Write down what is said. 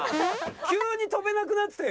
急に跳べなくなってたよ